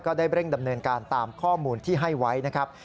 ได้เร่งดำเนินการตามข้อมูลที่ให้ไว้นะครับ